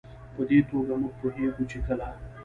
په دې توګه موږ پوهېږو چې کله